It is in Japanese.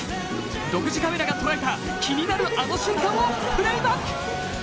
独自カメラが捉えた気になるあの瞬間をプレーバック！